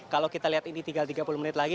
kalau kita lihat ini tinggal tiga puluh menit lagi